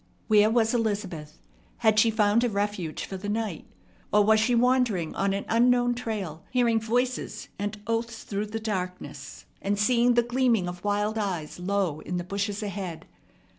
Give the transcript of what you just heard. Where was Elizabeth? Had she found a refuge for the night? Or was she wandering on an unknown trail, hearing voices and oaths through the darkness, and seeing the gleaming of wild eyes low in the bushes ahead?